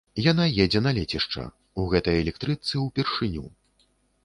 Яна едзе на лецішча, у гэтай электрычцы ўпершыню.